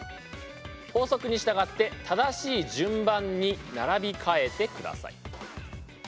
法則に従って正しい順番に並び替えてください。